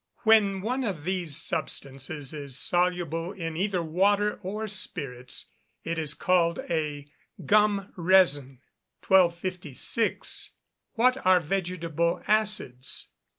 When one of these substances is soluble in either water or spirits it is called a gum resin. 1256. _What are vegetable acids?